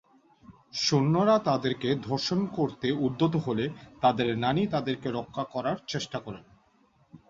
সৈন্যরা তাদেরকে ধর্ষণ করতে উদ্যত হলে তাদের নানি তাদেরকে রক্ষা করার চেষ্টা করেন।